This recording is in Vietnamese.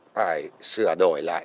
phải sửa đổi lại